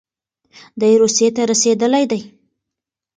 دی روسيې ته رسېدلی دی.